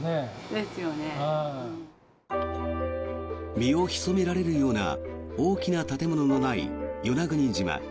身を潜められるような大きな建物のない与那国島。